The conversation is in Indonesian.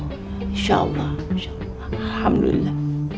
insya allah insya allah alhamdulillah